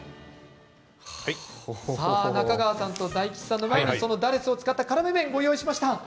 中川さんと大吉さんの前にそのダルスを使ったからめ麺ご用意しました。